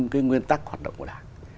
năm cái nguyên tắc hoạt động của đảng